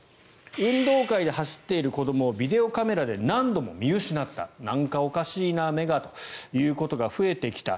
運動会で走っている子どもをビデオカメラで何度も見失ったなんかおかしいな目がということが増えてきた。